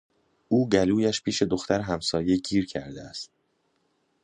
او گلویش پیش دختر همسایه گیر کرده است.